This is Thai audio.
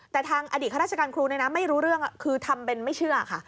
แต่ทางอดีตข้าราชการครูไม่รู้เรื่องคือทำเป็นไม่เชื่อค่ะ